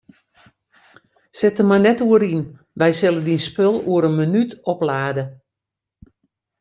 Sit der mar net oer yn, wy sille dyn spul oer in minút oplade.